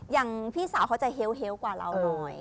อย่างพี่สาวเขาจะเฮ้วกว่าเราหน่อย